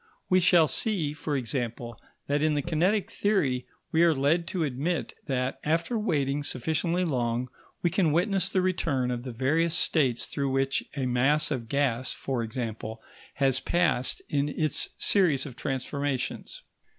We shall see, for example, that in the kinetic theory we are led to admit that, after waiting sufficiently long, we can witness the return of the various states through which a mass of gas, for example, has passed in its series of transformations.